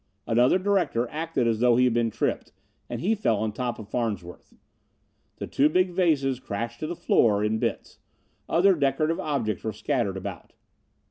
Another director acted as though he had been tripped, and he fell on top of Farnsworth. Two big vases crashed to the floor in bits. Other decorative objects were scattered about.